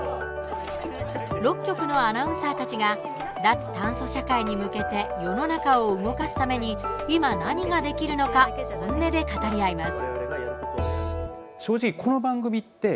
６局のアナウンサーたちが脱炭素社会に向けて世の中を動かすために今、何ができるのか本音で語り合います。